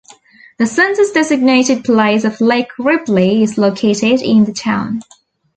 The census-designated place of Lake Ripley is located in the town.